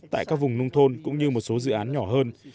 tại các vùng nông thôn cũng như một số dự án nhỏ hơn